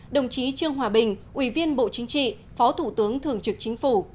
đồng chí trương hòa bình ủy viên bộ chính trị phó thủ tướng thường trực chính phủ